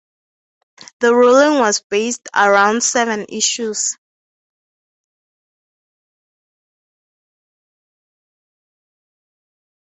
The ruling was based around seven issues.